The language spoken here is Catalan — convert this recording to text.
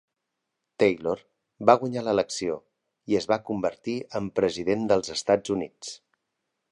Taylor va guanyar l'elecció i es va convertir en President dels Estats Units.